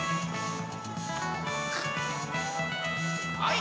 「はい。